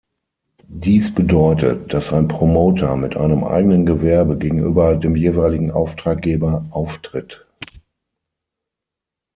Dies bedeutet, dass ein Promoter mit einem eigenen Gewerbe gegenüber dem jeweiligen Auftraggeber auftritt.